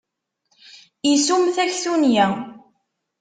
Isum taktunya.